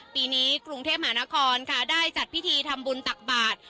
ปีนี้กรุงเทพมหานครค่ะได้จัดพิธีทำบุญตักบาท